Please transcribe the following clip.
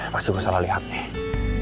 pasti gue salah liat nih